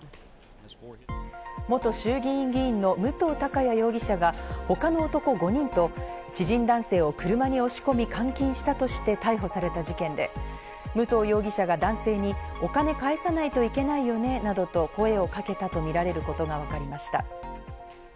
元衆議院議員の武藤貴也容疑者が他の男５人と知人男性を車に押し込み、監禁したとして逮捕された事件で、武藤容疑者が男性にお金返さないといけないよねなどと声をかけたとみられることがわかりました。